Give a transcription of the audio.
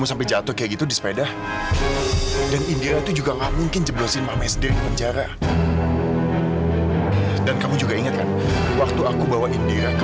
sampai jumpa di video selanjutnya